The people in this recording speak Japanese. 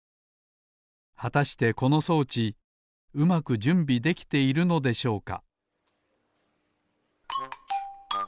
はたしてこの装置うまくじゅんびできているのでしょうか？